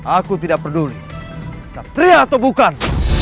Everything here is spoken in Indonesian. aku tidak peduli satria atau bukan